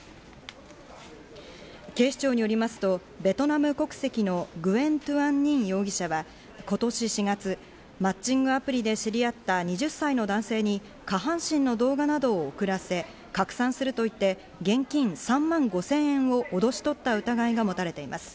警視庁によりますとベトナム国籍のグエン・トゥアン・ニン容疑者は、今年４月、マッチングアプリで知り合った２０歳の男性に下半身の動画などを送らせ、拡散すると言って、現金３万５０００円を脅し取った疑いがもたれています。